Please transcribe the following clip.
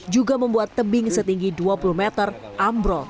juga membuat tebing setinggi dua puluh meter ambrol